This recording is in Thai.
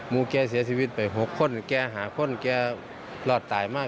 ูแกเสียชีวิตไป๖คนแกหาคนแกรอดตายมาก